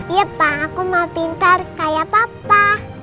ya pak aku mau pintar kayak papa